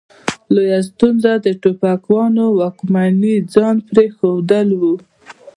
لویه ستونزه د ټوپکیانو واکمني ځان پرې ښودل وه.